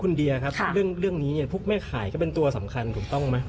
คุณเดียครับเรื่องนี้เนี่ยพวกแม่ขายก็เป็นตัวสำคัญถูกต้องไหม